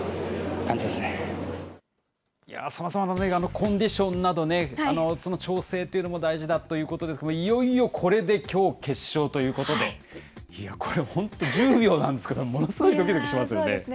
コンディションなどね、その調整というのも大事だということですけども、いよいよこれできょう、決勝ということで、いや、これ、本当に１０秒なんですけど、そうですね。